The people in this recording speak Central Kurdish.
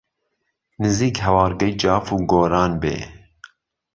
نزیک هەوارگەی جاف و گۆران بێ